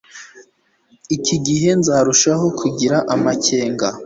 iki gihe nzarushaho kugira amakenga